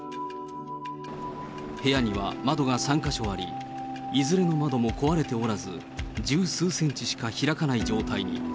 部屋には窓が３か所あり、いずれの窓も壊れておらず、十数センチしか開かない状態に。